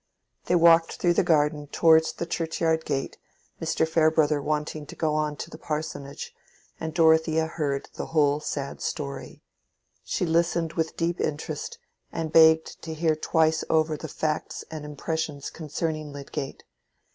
They walked through the garden towards the churchyard gate, Mr. Farebrother wanting to go on to the parsonage; and Dorothea heard the whole sad story. She listened with deep interest, and begged to hear twice over the facts and impressions concerning Lydgate.